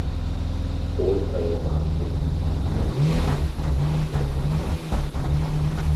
Oltre ai romanzi ha pubblicato diversi libri illustrati e romanzi umoristici.